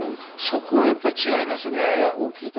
そこが違いますね。